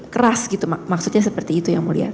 keras gitu maksudnya seperti itu yang mulia